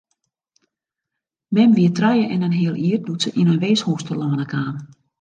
Mem wie trije en in heal jier doe't se yn in weeshûs telâne kaam.